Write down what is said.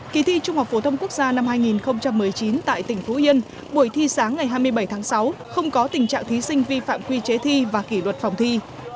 kỳ thi trung học phổ thông quốc gia năm hai nghìn một mươi chín tại tỉnh phú yên buổi thi sáng ngày hai mươi bảy tháng sáu không có tình trạng thí sinh vi phạm quy chế thi và kỷ luật phòng thi